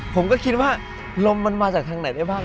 ผมก็คิดว่าลมมันมาจากทางไหนได้บ้าง